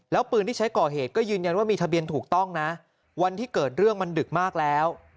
แล้วปืนที่ใช้ก่อเหตุก็ยืนยันว่ามีทะเบียนถูกต้องนะวันที่เกิดเรื่องมันดึกมากแล้ว